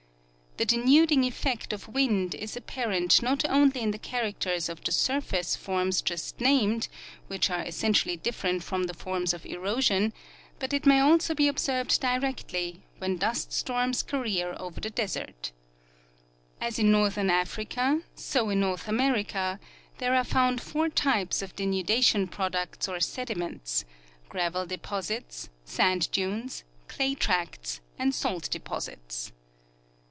The denuding effect of wind is apparent not only in the characters of the surface forms just named, which are essentially different from the forms of erosion, but it may also be observed directly when dust storms career over the desert. As in northern Africa, so in North America there are found four types of denudation products or sediments : gravel deposits, sand dunes, clay tracts and salt deposits.